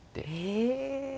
へえ。